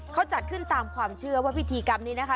เขาจัดขึ้นตามความเชื่อว่าพิธีกรรมนี้นะคะ